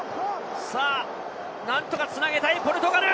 何とか繋げたいポルトガル。